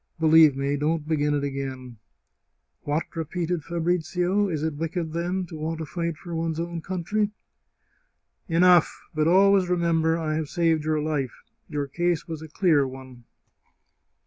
Believe me, don't begin it again !"" What !" repeated Fabrizio. " Is it wicked, then, to want to fight for one's own country ?"" Enough ! But always remember I have saved your life. Your case was a clear one.